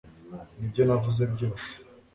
nibyo navuze byose